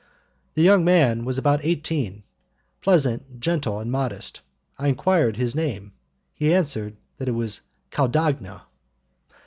The young man was about eighteen, pleasant, gentle and modest. I enquired his name, and he answered that it was Caudagna.